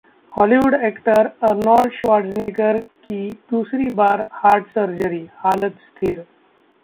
Hollywood actor Arnold Schwarzenegger की दूसरी बार हार्ट सर्जरी, हालत स्थिर